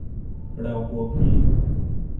เรากลัวผี !